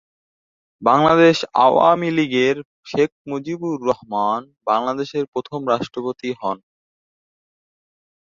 বাংলাদেশ আওয়ামী লীগের শেখ মুজিবুর রহমান বাংলাদেশের প্রথম রাষ্ট্রপতি হন।